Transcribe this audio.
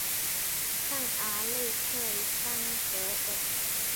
圣阿勒克桑德尔。